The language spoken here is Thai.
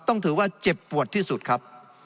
ต้องถือว่าเจ็บปวดที่สุดครับ